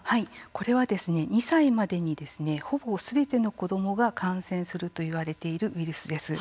これは２歳までにほぼすべての子どもが感染するといわれているウイルスです。